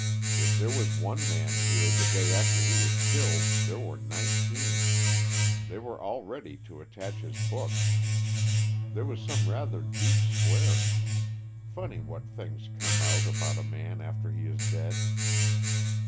"If there was one man here the day after he was killed there were nineteen. They were all ready to attach his books. There was some rather deep swearing. Funny what things come out about a man after he is dead."